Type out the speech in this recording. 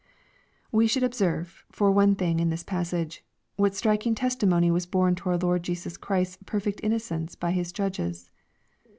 We should observe, for one thing, in this passage, what striking testimony teas borne to our Lord Jesus Christ'a "perfect innocence by His judges.